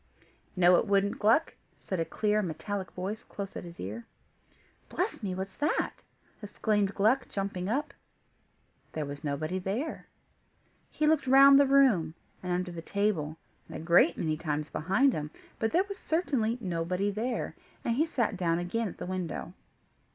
"No it wouldn't, Gluck," said a clear, metallic voice close at his ear. "Bless me! what's that?" exclaimed Gluck, jumping up. There was nobody there. He looked round the room, and under the table, and a great many times behind him, but there was certainly nobody there, and he sat down again at the window.